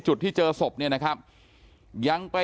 อยู่ดีมาตายแบบเปลือยคาห้องน้ำได้ยังไง